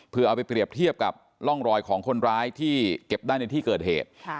เพื่อเอาไปเปรียบเทียบกับร่องรอยของคนร้ายที่เก็บได้ในที่เกิดเหตุ